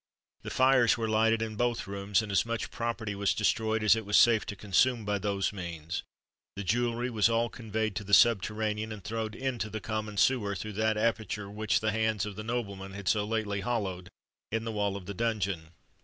The fires were lighted in both rooms, and as much property was destroyed as it was safe to consume by those means: the jewellery was all conveyed to the subterranean, and thrown into the common sewer through that aperture which the hands of the nobleman had so lately hollowed in the wall of the dungeon.